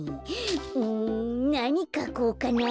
うんなにかこうかな。